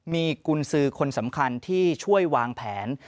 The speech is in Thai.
มีกุญสือคนสำคัญที่ช่วยวางแผน